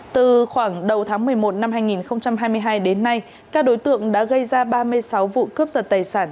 từ khoảng đầu tháng một mươi một năm hai nghìn hai mươi hai đến nay các đối tượng đã gây ra ba mươi sáu vụ cướp giật tài sản